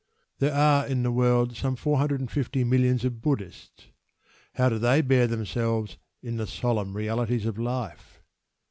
There are in the world some four hundred and fifty millions of Buddhists. How do they bear themselves in "the solemn realities of life"?